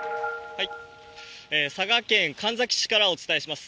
佐賀県神埼市からお伝えします。